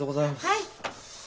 はい。